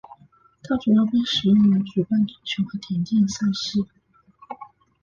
它主要被使用来举办足球和田径赛事。